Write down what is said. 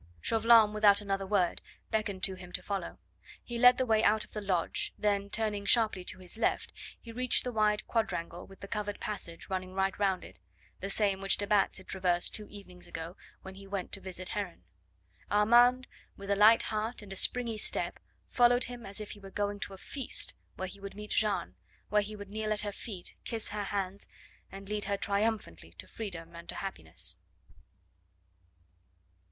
Chauvelin, without another word, beckoned to him to follow. He led the way out of the lodge, then, turning sharply to his left, he reached the wide quadrangle with the covered passage running right round it, the same which de Batz had traversed two evenings ago when he went to visit Heron. Armand, with a light heart and springy step, followed him as if he were going to a feast where he would meet Jeanne, where he would kneel at her feet, kiss her hands, and lead her triumphantly to freedom and to happiness.